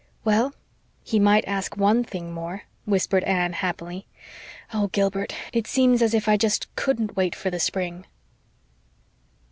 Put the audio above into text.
"Well, he might ask ONE thing more," whispered Anne happily. "Oh, Gilbert, it seems as if I just COULDN'T wait for the spring."